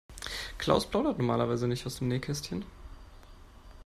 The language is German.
Klaus plaudert normalerweise nicht aus dem Nähkästchen.